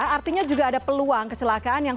artinya juga ada peluang kecelakaan yang